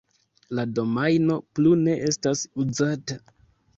La domajno plu ne estas uzata.